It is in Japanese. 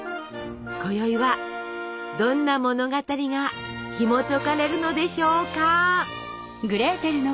こよいはどんな物語がひもとかれるのでしょうか？